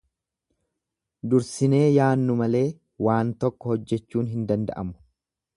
Dursinee yaannu malee waan tokko hojjechuun hin danda'amu.